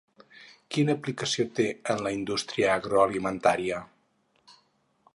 Quina aplicació té en la indústria agroalimentària?